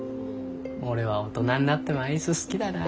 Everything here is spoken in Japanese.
俺は大人になってもアイス好きだな。